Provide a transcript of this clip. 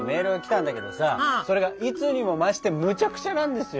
それがいつにも増してむちゃくちゃなんですよ。